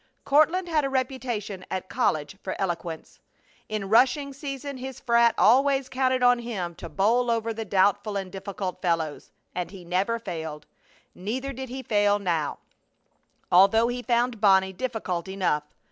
Courtland had a reputation at college for eloquence. In rushing season his frat. always counted on him to bowl over the doubtful and difficult fellows, and he never failed. Neither did he fail now, although he found Bonnie difficult enough.